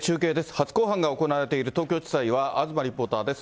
初公判が行われている東京地裁は、東リポーターです。